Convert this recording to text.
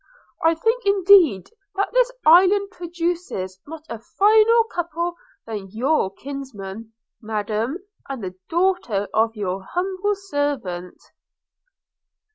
'I think indeed that this island produces not a finer couple than your kinsman, Madam, and the daughter of your humble servant.'